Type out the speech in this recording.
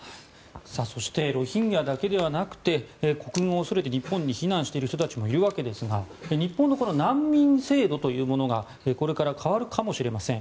そしてロヒンギャだけではなくて国軍を恐れて日本に避難している方もいるわけですが日本の難民制度というものがこれから変わるかもしれません。